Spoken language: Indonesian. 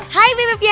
hai bebe pial pial